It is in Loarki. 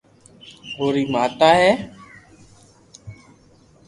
اوري ماتا ھي